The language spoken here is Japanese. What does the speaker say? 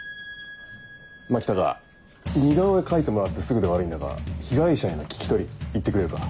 牧高似顔絵描いてもらってすぐで悪いんだが被害者への聞き取り行ってくれるか？